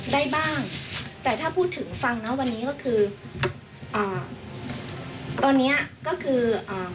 ได้บ้างแต่ถ้าพูดถึงฟังนะวันนี้ก็คืออ่าตอนเนี้ยก็คืออ่า